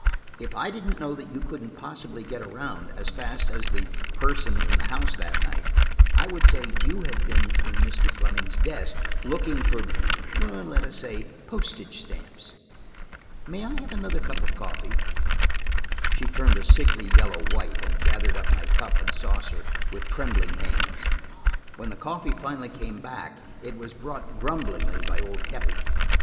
If I didn't know that you couldn't possibly get around as fast as the–person in the house that night, I would say you had been in Mr. Fleming's desk, looking for–let us say, postage stamps. May I have another cup of coffee?" She turned a sickly yellow white, and gathered up my cup and saucer with trembling hands. When the coffee finally came back it was brought grumblingly by old Heppie.